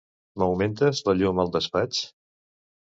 M'augmentes la llum al despatx?